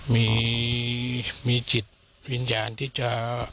มีจิตวิญญาณที่จะ